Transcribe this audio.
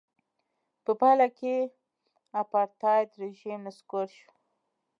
په پایله کې اپارټایډ رژیم نسکور شو.